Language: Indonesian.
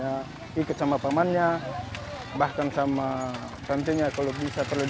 ya penjual mainan